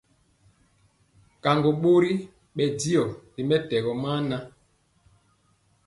Kaŋgo bori bɛ diɔgɔ ri mɛtɛgɔ maa nan.